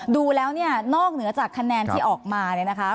ดูแล้วเนี่ยนอกเหนือจากคะแนนที่ออกมาเนี่ยนะคะ